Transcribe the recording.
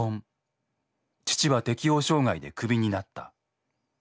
父は適応障害でクビになった。